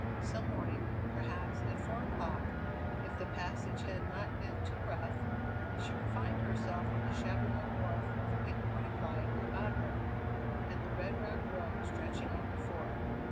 Some morning, perhaps, at four o'clock, if the passage had not been too rough, she would find herself on the shabby little wharf with the pink morning light about her, and the red rock road stretching on before.